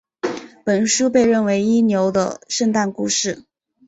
本书被认为是一流的圣诞故事。